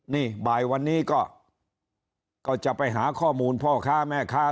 นี่บ่ายวันนี้ก็จะไปหาข้อมูลพ่อค้าแม่ค้า